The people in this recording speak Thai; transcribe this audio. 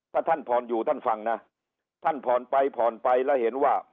ถ้าท่านผ่อนอยู่ท่านฟังนะท่านผ่อนไปผ่อนไปแล้วเห็นว่า